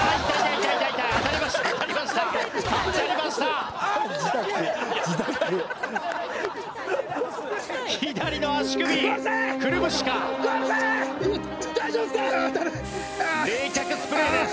冷却スプレーです。